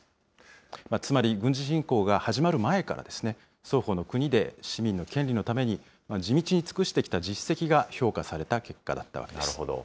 つまり、軍事侵攻が始まる前から、双方の国で市民の権利のために地道に尽くしてきた実績が評価されなるほど。